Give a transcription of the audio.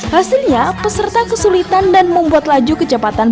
hasilnya peserta kesulitan dan membuat laju kecepatan